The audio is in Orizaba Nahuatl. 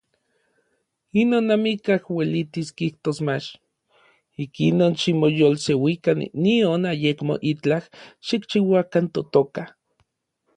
Inon amikaj uelitis kijtos mach. Ikinon ximoyolseuikan nion ayekmo itlaj xikchiuakan totoka.